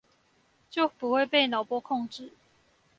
就不會被腦波控制